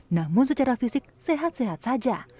namun secara fisik sehat sehat saja